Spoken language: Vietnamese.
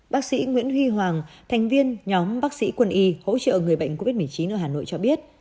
bác sĩ nguyễn huy hoàng thành viên nhóm bác sĩ quân y hỗ trợ người bệnh covid một mươi chín ở hà nội cho biết